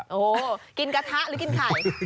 โอ้โหกินกระทะหรือกินไข่